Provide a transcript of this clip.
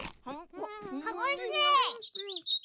おいしい！